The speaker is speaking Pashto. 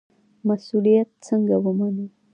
مسوولیت څنګه ومنو؟